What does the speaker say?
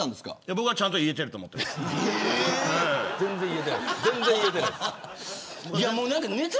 僕は、ちゃんと言えてると思ってました。